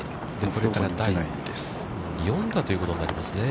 これから第４打ということになりますね。